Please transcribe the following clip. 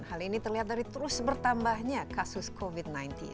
hal ini terlihat dari terus bertambahnya kasus covid sembilan belas